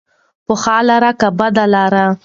په ښه لاره که بده لاره.